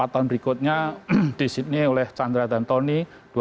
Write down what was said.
empat tahun berikutnya di sydney oleh chandra dan tony